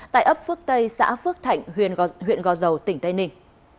tại ấp phước tây xã phước thạnh huyện go dầu tỉnh tây ninh